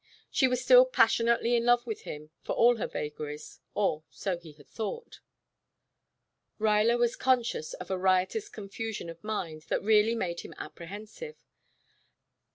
She was still passionately in love with, him, for all her vagaries or so he had thought Ruyler was conscious of a riotous confusion of mind that really made him apprehensive.